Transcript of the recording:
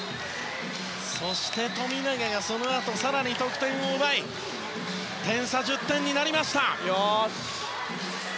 そして富永がそのあと更に得点を奪い点差、１０点になりました。